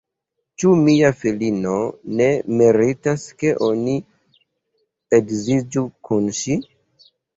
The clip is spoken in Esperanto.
Ĉu mia filino ne meritas, ke oni edziĝu kun ŝi?